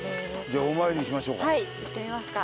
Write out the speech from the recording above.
じゃあお参りしましょうか。